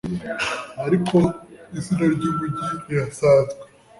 Ariko izina ry'umujyi rirasanzwe.